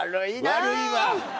悪いわ。